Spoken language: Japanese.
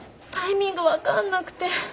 タイミング分かんなくて。